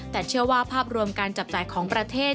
แต่เชื่อว่าภาพรวมการจับจ่ายของประเทศ